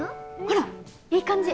ほらいい感じ